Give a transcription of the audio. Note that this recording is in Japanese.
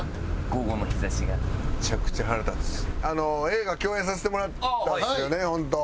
映画共演させてもらったんですよね本当。